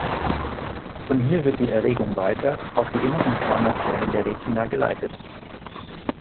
Von hier wird die Erregung weiter auf die inneren Körnerzellen der Retina geleitet.